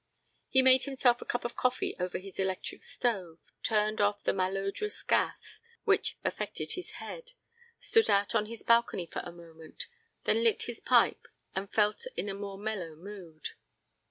He made himself a cup of coffee over his electric stove, turned off the malodorous gas, which affected his head, stood out on his balcony for a moment, then lit his pipe and felt in a more mellow mood.